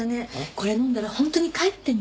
これ飲んだら本当に帰ってね。